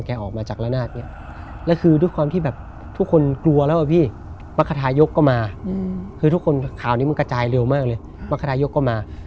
ทำลังนี้ทุกคนเริ่มหลอนกับซีงเล่น่าดแล้วว่าเอาไม้ละนาดที่เป็นไม้นวมไปซ่อนพอซ่อนเสร็จปุ๊บวัน๒วัน๓